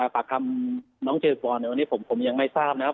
ปากคำน้องเจฟอนวันนี้ผมยังไม่ทราบนะครับ